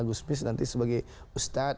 gusmis nanti sebagai ustadz